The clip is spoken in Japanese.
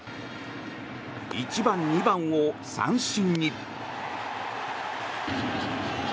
１番、２番を三振に。